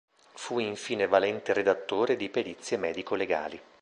Fu infine valente redattore di perizie medico-legali.